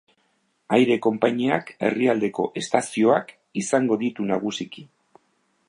Aire konpainiak herrialdeko estazioak izango ditu nagusiki.